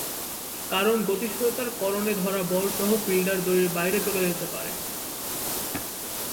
কারণ গতিশীলতার করণে ধরা বল সহ ফিল্ডার দড়ির বাইরে চলে যেতে পারেন।